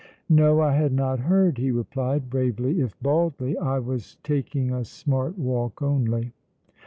"No, I had not heard," he replied, bravely if baldly. "I was taking a smart walk only."